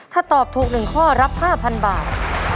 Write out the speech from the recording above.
ถ้าตอบถูก๑ข้อรับ๕๐๐บาท